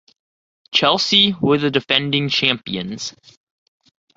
Chelsea were the defending champions.